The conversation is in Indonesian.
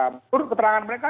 menurut keterangan mereka